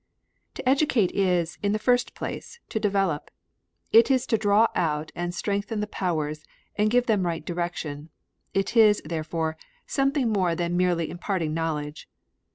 To educate is, in the first place, to develop. It is to draw out and strengthen the powers and give them right direction. It is, therefore, something more than merely imparting knowledge.